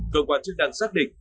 cơ quan chức năng xác định